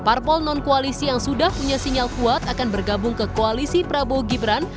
parpol non koalisi yang sudah punya sinyal kuat akan bergabung ke koalisi prabowo gibran